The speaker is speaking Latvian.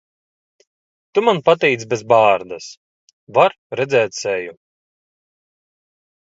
Tu man patīc bez bārdas. Var redzēt seju.